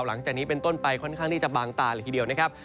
หลังจากนี้เป็นต้นไปค่อนข้างที่จะบางตาเลยทีเดียวนะครับ